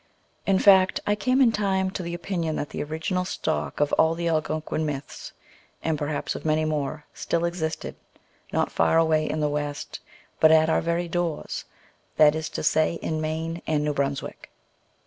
In fact, I came in time to the opinion that the original stock of all the Algonquin myths, and perhaps of many more, still existed, not far away in the West, but at our very doors ; that is to say, in Maine and New Brunswick.